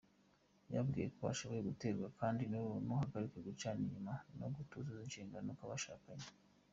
Yababwiye ko ashobora guterwa kandi n’ubuharike, gucana inyuma, no kutuzuza inshingano ku bashakanye.